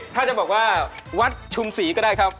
ถ้าจะบอกว่าวัดชุมศรีก็ได้ครับ